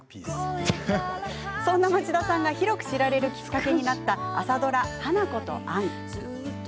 そんな町田さんが広く知られるきっかけになった朝ドラ「花子とアン」。